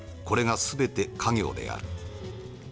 これが全て稼業である。